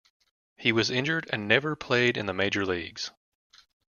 He was injured and never played in the Major Leagues.